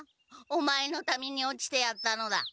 オマエのために落ちてやったのだ。